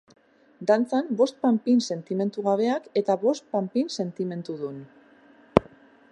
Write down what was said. Dantzan, bost panpin sentimentugabeak, eta bost panpin sentimentudun.